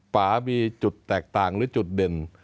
ป่ามีจุดแตกต่างหรือจุดเด่น